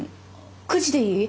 ９時でいい？